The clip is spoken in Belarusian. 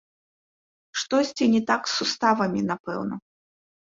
Штосьці не так з суставамі, напэўна.